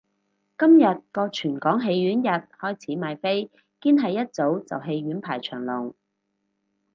今日個全港戲院日開始賣飛，堅係一早就戲院排長龍